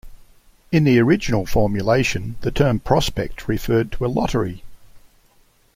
In the original formulation, the term "prospect" referred to a lottery.